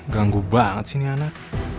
ganggu banget sih nih anak